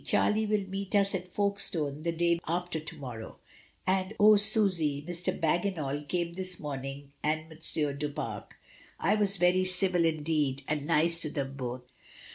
"Charlie will meet us at Folkestone the day after to morrow;'* and, "Oh! Susy, Mr. Bagginal came this morning and Monsieur du Pare. I was very civil indeed, and nice to them both.